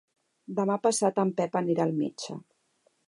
Demà passat en Pep anirà al metge.